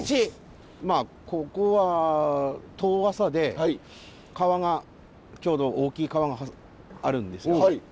まあここは遠浅で川がちょうど大きい川があるんですよ。